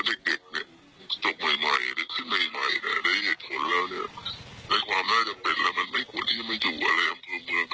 ถ้าเด็กเนี้ยตกใหม่ไหมอะไรคือใหม่ไหมได้เอกสรุป